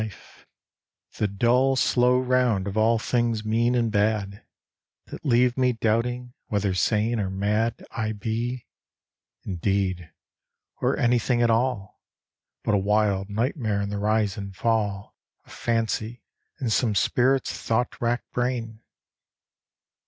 13 IN THE NET OF THE STARS The dull, slow round of all things mean and bad, That leave me doubting whether sane or mad I be, indeed, or anything at all, But a wild nightmare in the rise and fall Of fancy in some spirit's thought racked brain.